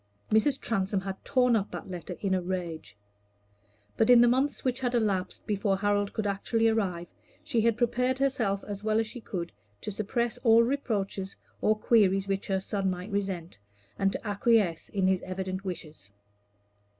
Mrs. Transome had torn up that letter in a rage. But in the months which had elapsed before Harold could actually arrive, she had prepared herself as well as she could to suppress all reproaches or queries which her son might resent, and to acquiesce in his evident wishes.